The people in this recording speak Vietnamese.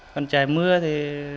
còn trời mưa thì